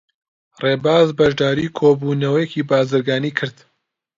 ڕێباز بەشداریی کۆبوونەوەیەکی بازرگانیی کرد.